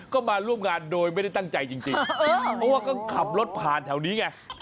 ก็มาร่วมงานโดยไม่ได้ตั้งใจจริงเพราะว่าก็ขับรถผ่านแถวนี้ไง